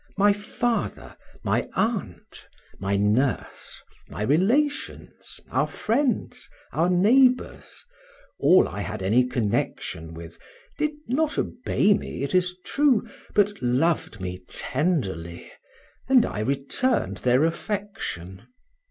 My father, my aunt, my nurse, my relations, our friends, our neighbors, all I had any connection with, did not obey me, it is true, but loved me tenderly, and I returned their affection.